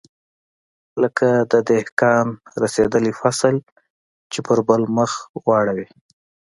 لکه د دهقان رسېدلى فصل چې په بل مخ يې واړوې.